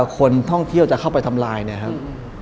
คนท่องเที่ยวจะเข้าไปทำลายเนี่ยครับ